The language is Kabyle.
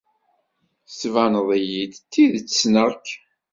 Tettbaneḍ-iyi-d d tidet ssneɣ-k.